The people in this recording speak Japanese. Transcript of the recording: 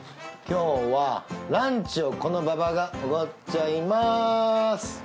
今日はランチをこの馬場がおごっちゃいます。